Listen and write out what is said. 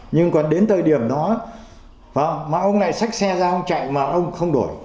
nhưng còn đến thời điểm đó mà ông lại xách xe ra ông chạy mà ông không đổi